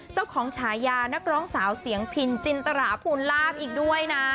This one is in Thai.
ฉายานักร้องสาวเสียงพินจินตราภูลาภอีกด้วยนะ